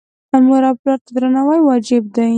مور او پلار ته درناوی واجب دی